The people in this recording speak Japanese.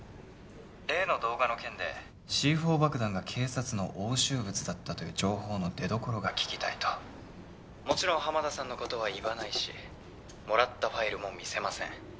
例の動画の件でＣ４爆弾が警察の押収物だったという情報の出どころが聞きたいともちろん浜田さんのことは言わないしもらったファイルも見せません